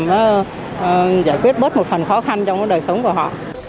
giải quyết bớt một phần khó khăn trong đời sống của họ